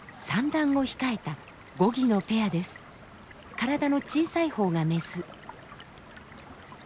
体の小さいほうがメス。